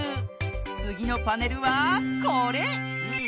つぎのパネルはこれ！